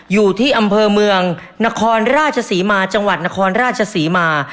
อยู่ที่อำเภอเมืองนครราชศรีมาจังหวัดนครราชศรีมา